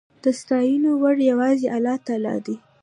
د ستاينو وړ يواځې الله تعالی دی